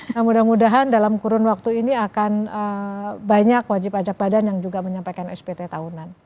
nah mudah mudahan dalam kurun waktu ini akan banyak wajib pajak badan yang juga menyampaikan spt tahunan